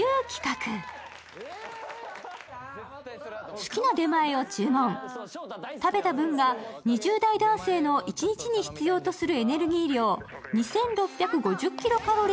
好きな出前を注文、食べた分が２０代男性の一日に必要とするエネルギー量２６５０Ｋｃａｌ